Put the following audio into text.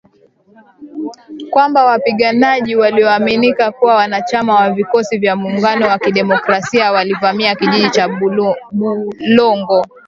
Kwamba wapiganaji wanaoaminika kuwa wanachama wa Vikosi vya Muungano wa Kidemokrasia walivamia kijiji cha Bulongo.